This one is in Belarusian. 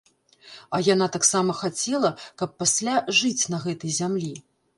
А яна таксама хацела, каб пасля жыць на гэтай зямлі.